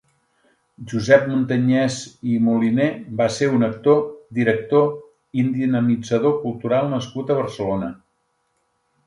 Josep Montanyès i Moliner va ser un actor, director i dinamitzador cultural nascut a Barcelona.